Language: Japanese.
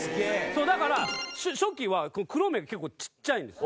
そうだから初期は黒目結構ちっちゃいんですよ。